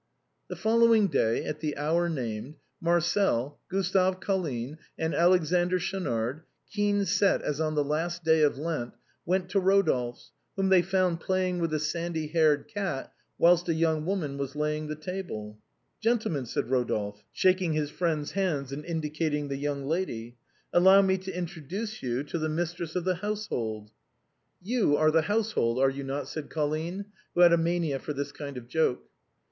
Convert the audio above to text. The following day at the hour named, Marcel, Gustave Colline, and Alexander Schaunard, keen set as on the last day of Lent, went to Eodolphe's whom they found playing 156 THE BOHEMIANS OF THE LATIN QUARTER. with a sandy haired cat, whilst a young woman was laying the table. " Gentlemen," said Rodolphe, shaking his friends' hands, and indicating the young lady, " allow me to introduce you to the mistress of the household." "You are the household, are you not?" said Colline, who had a mania for this kind of joke.